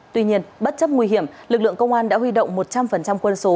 tuy nhiên bất chấp nguy hiểm lực lượng công an đã huy động một trăm linh quân số